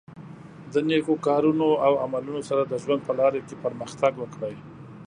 د نېکو کارونو او عملونو سره د ژوند په لاره کې پرمختګ وکړئ.